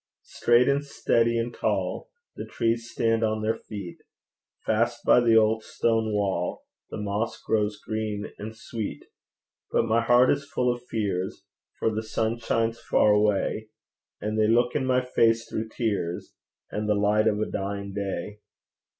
Straight and steady and tall The trees stand on their feet; Fast by the old stone wall The moss grows green and sweet; But my heart is full of fears, For the sun shines far away; And they look in my face through tears, And the light of a dying day.